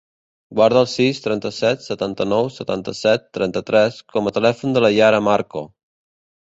Guarda el sis, trenta-set, setanta-nou, setanta-set, trenta-tres com a telèfon de la Yara Marco.